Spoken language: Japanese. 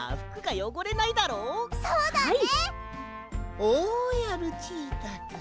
おやルチータくん